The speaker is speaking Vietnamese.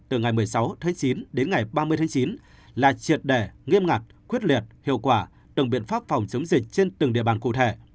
từ ngày một mươi sáu tháng chín đến ngày ba mươi tháng chín là triệt đẻ nghiêm ngặt quyết liệt hiệu quả từng biện pháp phòng chống dịch trên từng địa bàn cụ thể